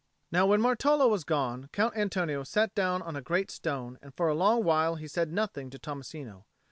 Now when Martolo was gone, Count Antonio sat down on a great stone and for a long while he said nothing to Tommasino.